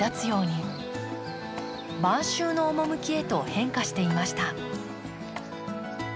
晩秋の趣へと変化していました。